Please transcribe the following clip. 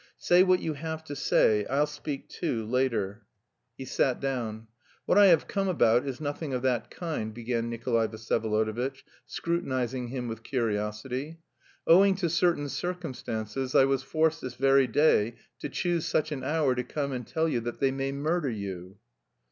"Say what you have to say... I'll speak too... later." He sat down. "What I have come about is nothing of that kind," began Nikolay Vsyevolodovitch, scrutinising him with curiosity. "Owing to certain circumstances I was forced this very day to choose such an hour to come and tell you that they may murder you."